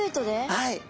はい。